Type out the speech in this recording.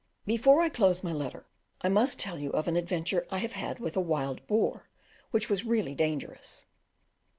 Before I close my letter I must tell you of an adventure I have had with a wild boar, which was really dangerous.